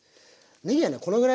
ねぎはねこのぐらい。